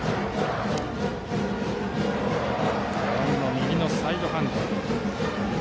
右のサイドハンド、瀬山。